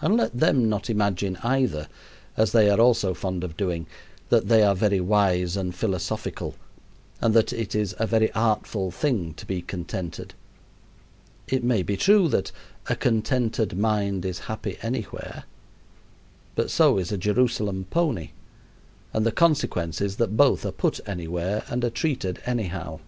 And let them not imagine, either as they are also fond of doing that they are very wise and philosophical and that it is a very artful thing to be contented. It may be true that "a contented mind is happy anywhere," but so is a Jerusalem pony, and the consequence is that both are put anywhere and are treated anyhow.